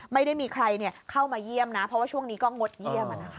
ไม่ได้มีใครเข้ามาเยี่ยมนะเพราะว่าช่วงนี้ก็งดเยี่ยม